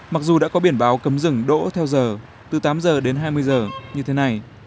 mặc dù đã có biển báo cấm rừng đỗ theo giờ từ tám giờ đến hai mươi giờ như thế này